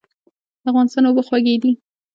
د افغانستان اوبه خوږې دي.